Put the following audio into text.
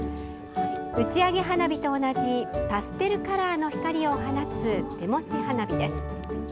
打ち上げ花火と同じパステルカラーの光を放つ手持ち花火です。